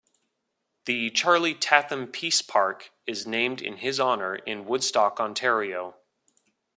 The "Charlie Tatham Peace Park" is named in his honour in Woodstock, Ontario.